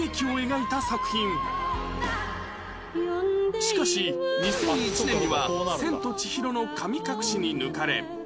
しかし２００１年には『千と千尋の神隠し』に抜かれ